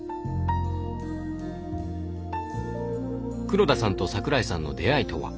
黒田さんと桜井さんの出会いとは？